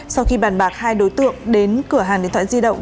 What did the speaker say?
sau khi bàn bạc hai đối tượng đến cửa hàng điện thoại di động